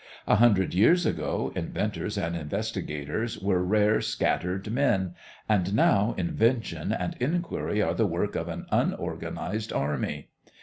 A hundred years ago inventors and investigators were rare scattered men, and now invention and inquiry are the work of an unorganized army.